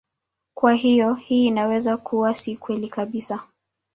Kwa hiyo hii inaweza kuwa si kweli kabisa.